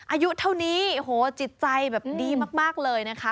อายุเท่านี้โหจิตใจแบบดีมากเลยนะคะ